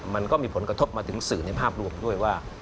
มันก็มีผลกระทบมาถึงสื่อในภาพรวมด้วยว่า